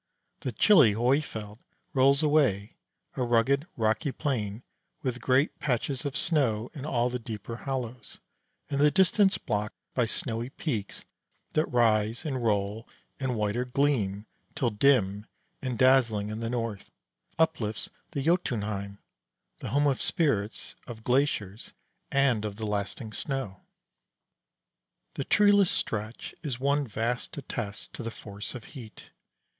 The chilly Hoifjeld rolls away, a rugged, rocky plain, with great patches of snow in all the deeper hollows, and the distance blocked by snowy peaks that rise and roll and whiter gleam, till, dim and dazzling in the north, uplifts the Jotunheim, the home of spirits, of glaciers, and of the lasting snow. The treeless stretch is one vast attest to the force of heat.